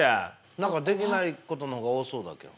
何かできないことの方が多そうだけど。